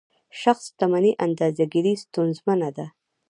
شخص شتمني اندازه ګیري ستونزمنه ده.